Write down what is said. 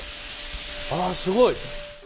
あすごい。